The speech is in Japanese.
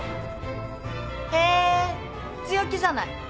へえ強気じゃない。